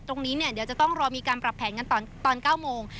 ตรงนี้เนี่ยเดี๋ยวจะต้องรอมีการปรับแผนกันตอน๙โมง